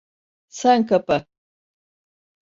Sen kapa.